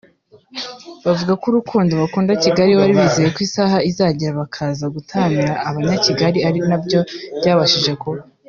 bavuga ko urukundo bakunda Kigali bari bizeye ko isaha izagera bakaza gutaramira abanyakigali ari nabyo byabashije kuba